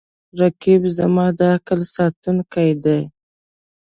رقیب زما د عقل ساتونکی دی